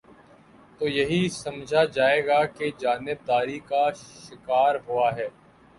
تو یہی سمجھا جائے گا کہ جانب داری کا شکار ہوا ہے۔